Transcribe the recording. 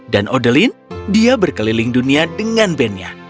dan odeline dia berkeliling dunia dengan bandnya